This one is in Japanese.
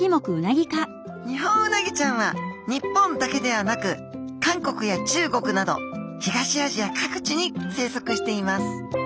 ニホンウナギちゃんは日本だけではなく韓国や中国など東アジア各地に生息しています。